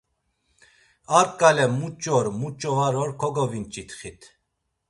Ar ǩale muç̌or muç̌o var or kogovinç̌itxit.